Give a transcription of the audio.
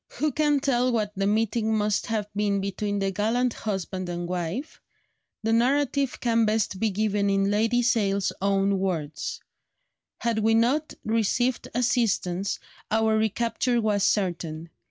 Who can tell what the meeting must have been between the gallant husband and wife? The narrative can best be given in Lady Sale's own words: "Had we not received assistance, our recapture was certain....